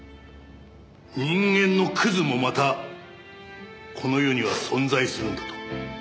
人間のクズもまたこの世には存在するんだと。